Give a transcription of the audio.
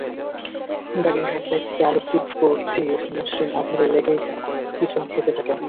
গাড়ির হেডলাইট থেকে আলোর তীব্র তীর মসৃণ আঁধারে লেগে পিছল খেতে থাকে।